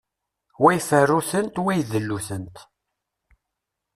Wa iferru-tent, wa iḍellu-tent.